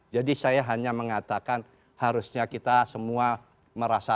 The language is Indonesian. jadi saya hanya mengatakan harusnya kita semua merasa